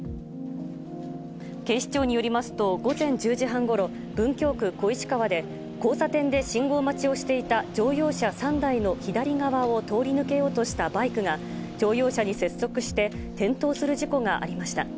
警視庁によりますと、午前１０時半ごろ、文京区小石川で、交差点で信号待ちをしていた乗用車３台の左側を通り抜けようとしたバイクが、乗用車に接触して、転倒する事故がありました。